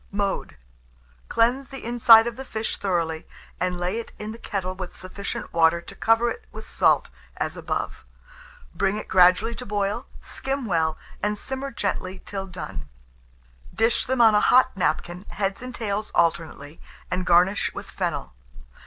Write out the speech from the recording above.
Mode. Cleanse the inside of the fish thoroughly, and lay it in the kettle with sufficient water to cover it with salt as above; bring it gradually to boil, skim well, and simmer gently till done; dish them on a hot napkin, heads and tails alternately, and garnish with fennel.